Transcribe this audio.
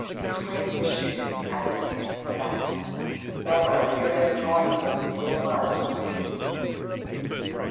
Scrape your shoes and use the mat. Never appear in a drawing room with mud on your boots.